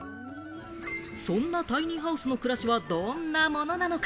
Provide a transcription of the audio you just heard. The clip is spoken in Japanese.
そんなタイニーハウスの暮らしはどんなものなのか？